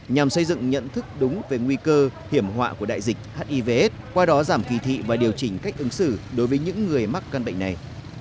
nhằm xây dựng nhận thức đúng về nguy cơ hiểm họa của đại dịch hivs qua đó giảm kỳ thị và điều chỉnh cách ứng xử đối với những người mắc căn bệnh này